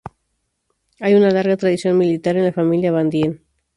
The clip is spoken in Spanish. Hay una larga tradición militar en la familia Van Dien.